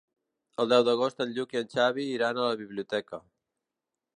El deu d'agost en Lluc i en Xavi iran a la biblioteca.